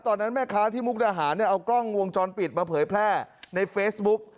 ตอนนั้นแม่ค้าที่มุกดาหารเอากล้องวงจรปิดมาเผยแพร่ในเฟซบุ๊ก